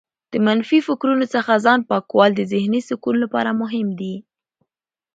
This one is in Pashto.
د منفي فکرونو څخه ځان پاکول د ذهنې سکون لپاره مهم دي.